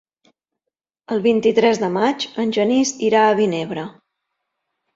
El vint-i-tres de maig en Genís irà a Vinebre.